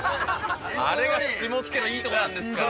あれが下野のいいとこなんですから。